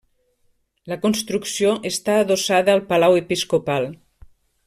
La construcció està adossada al Palau Episcopal.